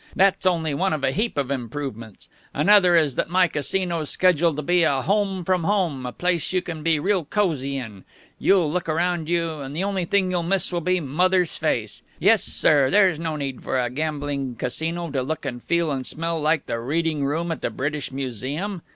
That's only one of a heap of improvements. Another is that my Casino's scheduled to be a home from home, a place you can be real cosy in. You'll look around you, and the only thing you'll miss will be mother's face. Yes, sir, there's no need for a gambling Casino to look and feel and smell like the reading room at the British Museum.